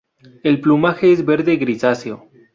El plumaje es verde grisáceo.